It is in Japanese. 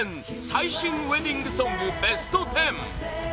最新ウェディングソングＢＥＳＴ１０